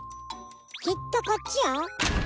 きっとこっちよ！